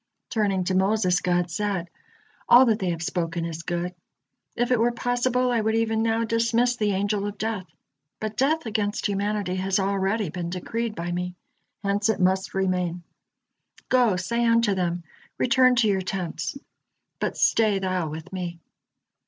Turning to Moses, God said: "All that they have spoken is good. If it were possible, I would even now dismiss the Angel of Death, but death against humanity has already been decreed by Me, hence it must remain. Go, say unto them: 'Return to your tents,' but stay thou with Me."